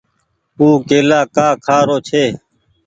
او ڪيلآ ڪآ کآ رو ڇي ۔